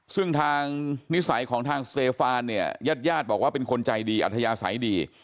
ซึ่งทางนิสัยของทางสเตฟานเนี่ยญาติญาติบอกว่าเป็นคนใจดีอัธยาศัยดี